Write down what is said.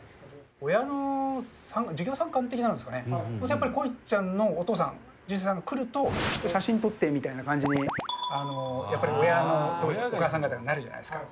やっぱりこいちゃんのお父さん純一郎さんが来ると「写真撮って！」みたいな感じにやっぱりお母さん方がなるじゃないですか。